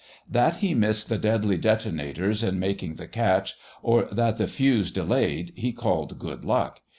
That he missed the deadly detonators in making the catch, or that the fuse delayed, he called good luck.